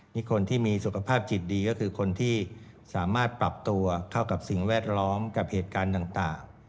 นี่คนที่มีสุขภาพจิตดีก็คือคนที่สามารถปรับตัวเข้ากับสิ่งแวดล้อมกับเหตุการณ์ต่าง